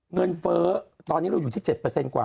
เฟ้อตอนนี้เราอยู่ที่๗กว่า